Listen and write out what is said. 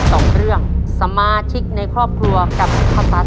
ตัวเลือดที่๓ม้าลายกับนกแก้วมาคอ